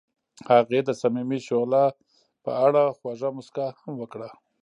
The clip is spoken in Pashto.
هغې د صمیمي شعله په اړه خوږه موسکا هم وکړه.